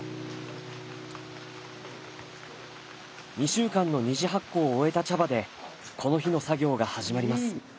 ２週間の２次発酵を終えた茶葉でこの日の作業が始まります。